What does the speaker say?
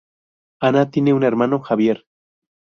Ana tiene un hermano, Javier.